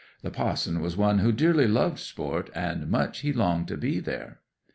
The pa'son was one who dearly loved sport, and much he longed to be there.